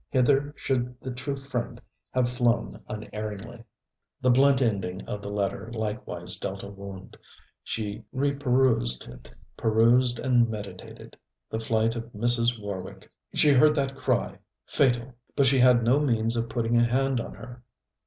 Hither should the true friend have flown unerringly. The blunt ending of the letter likewise dealt a wound. She reperused it, perused and meditated. The flight of Mrs. Warwick! She heard that cry fatal! But she had no means of putting a hand on her.